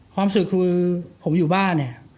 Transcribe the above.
ความสุขคือผมอยู่บ้าน